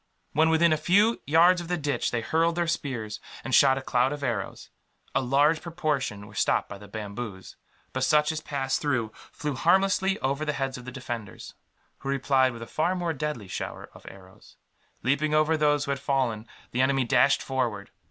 When within a few yards of the ditch they hurled their spears, and shot a cloud of arrows. A large proportion were stopped by the bamboos, but such as passed through flew harmlessly over the heads of the defenders; who replied with a far more deadly shower of arrows. Leaping over those who had fallen, the enemy dashed forward.